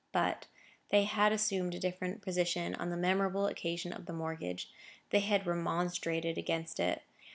But they had assumed a different position on the memorable occasion of the mortgage: they had remonstrated against it.